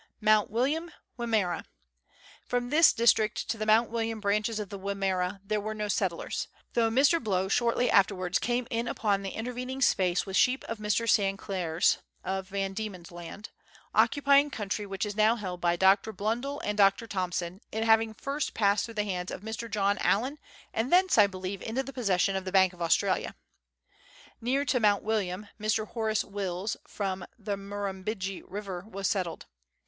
Mount William, Wimmera. From this district to the Mount William branches of the Wimmera there were no settlers ; though Mr. Blow shortly afterwards came in upon the intervening space with sheep of Mr. Sinclair's (of Van Diemen's Land), occupying country which is now held by Dr. Blundell and Dr. Thomson, it having first passed through the hands of Mr. John Allan, and thence I believe into the possession of the Bank of Australasia. Near to Mount William Mr. Horace Wills, from the Murrum bidgee River, was settled.